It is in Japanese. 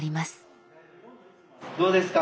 どうですか？